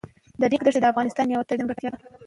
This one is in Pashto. د ریګ دښتې د افغانستان یوه طبیعي ځانګړتیا ده.